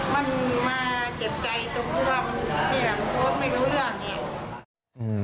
มันมาเจ็บใจตรงความแข็งโฆษณ์ไม่รู้เรื่อง